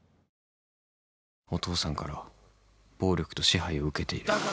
「お父さんから暴力と支配を受けている」